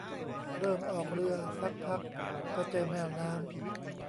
เริ่มออกเรือซักพักก็เจอแมวน้ำ